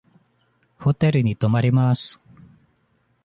ホテルに泊まります。